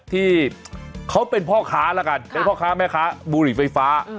ที่เขาเป็นพ่อค้าแล้วกันเป็นพ่อค้าแม่ค้าบุหรี่ไฟฟ้า